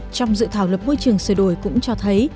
trong dự thảo luật môi trường sửa đổi cũng cho thấy